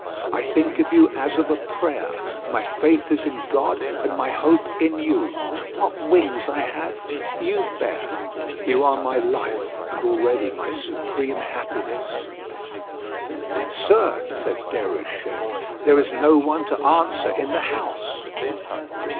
I think of you as of a prayer. My faith is in God, and my hope in you. What wings I have you bear. You are my life, and already my supreme happiness." "Sir," said Déruchette, "there is no one to answer in the house!"